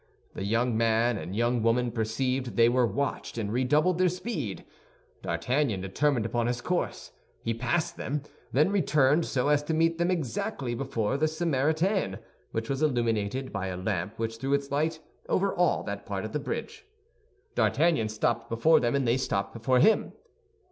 The young man and young woman perceived they were watched, and redoubled their speed. D'Artagnan determined upon his course. He passed them, then returned so as to meet them exactly before the Samaritaine, which was illuminated by a lamp which threw its light over all that part of the bridge. D'Artagnan stopped before them, and they stopped before him.